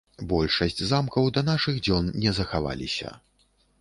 Большасць замкаў да нашых дзён не захаваліся.